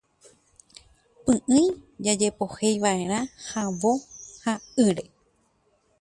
Py'ỹi jajepoheiva'erã havõ ha ýre.